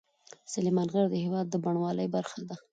سلیمان غر د هېواد د بڼوالۍ برخه ده.